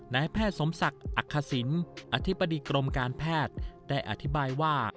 นายแพทย์สมศักดิ์อักษิณอธิบดีกรมการแพทย์ได้อธิบายว่า